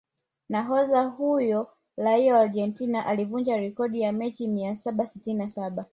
Nahodha huyo raia wa Argentina alivunja rekodi ya mechi mia saba sitini na saba